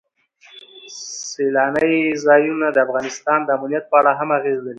سیلانی ځایونه د افغانستان د امنیت په اړه هم اغېز لري.